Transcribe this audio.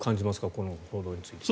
この報道について。